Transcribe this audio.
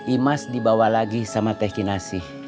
imas dibawa lagi sama teh kinasi